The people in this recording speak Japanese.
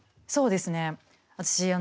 そうですね。